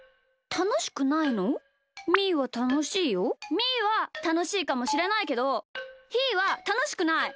みーはたのしいかもしれないけどひーはたのしくない！